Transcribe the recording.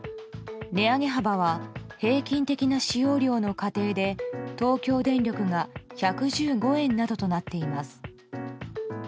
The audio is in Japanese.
値上げ幅は平均的な使用量の家庭で東京電力が１１５円などとなっています。